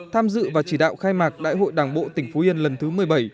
tham dự và chỉ đạo khai mạc đại hội đảng bộ tỉnh phú yên lần thứ một mươi bảy